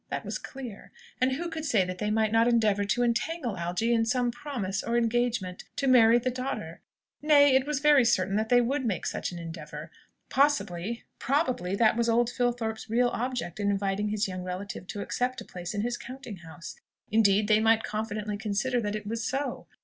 That was clear. And who could say that they might not endeavour to entangle Algy in some promise, or engagement, to marry the daughter? Nay, it was very certain that they would make such an endeavour. Possibly probably that was old Filthorpe's real object in inviting his young relative to accept a place in his counting house. Indeed, they might confidently consider that it was so.